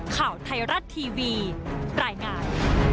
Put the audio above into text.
ข่าวไทยรัฐทีวีรายงาน